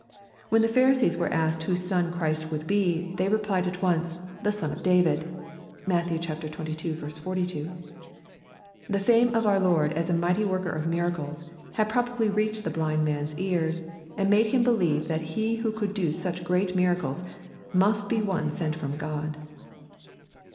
When the Phari sees were asked whose son Christ would be, they replied at once, " The Son of David." (Matt xxii. 42.) The fame of our Lord as a mighty worker of miracles, had probably reached the blind man's ears, and made him believe that He who could do such great mir acles, must be one sent from God.